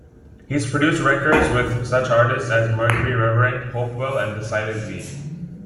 He's produced records with such artists as Mercury Reverend, Hopewell and The Silent League.